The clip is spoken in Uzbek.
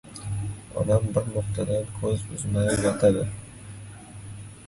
Onam bir nuqtadan ko‘z uzmay yotadi.